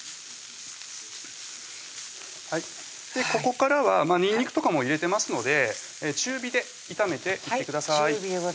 ここからはにんにくとかも入れてますので中火で炒めていってください